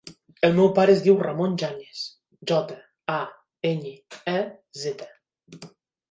El meu pare es diu Ramon Jañez: jota, a, enya, e, zeta.